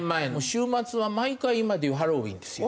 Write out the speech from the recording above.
週末は毎回今で言うハロウィーンですよ。